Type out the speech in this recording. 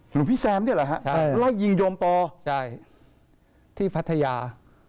หลวงพี่แซมนี่แหละฮะใช่ไล่ยิงโยมปอใช่ที่พัทยา